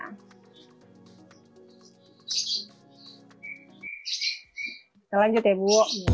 kita lanjut ya bu